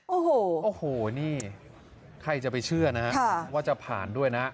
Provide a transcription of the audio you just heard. โอ้โหโอ้โหนี่ใครจะไปเชื่อนะฮะว่าจะผ่านด้วยนะ